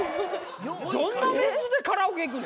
どんなメンツでカラオケ行くの？